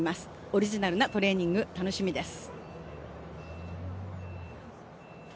オリジナルなトレーニング、楽しみです。